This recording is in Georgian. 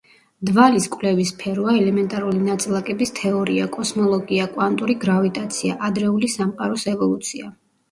დვალის კვლევის სფეროა ელემენტარული ნაწილაკების თეორია, კოსმოლოგია, კვანტური გრავიტაცია, ადრეული სამყაროს ევოლუცია.